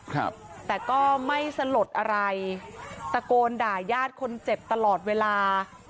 ครับแต่ก็ไม่สลดอะไรตะโกนด่ายาดคนเจ็บตลอดเวลา